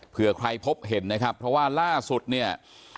เพื่อใครพบเห็นนะครับเพราะว่าล่าสุดเนี่ย